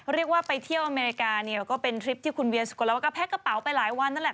เรียกว่าไปเที่ยวอเมริกาคุณเวียบิลซึกกดไปกระแพ้กระเป๋ากันไปหลายวันก็แล้ว